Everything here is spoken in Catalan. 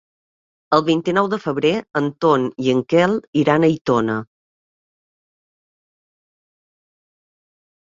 El vint-i-nou de febrer en Ton i en Quel iran a Aitona.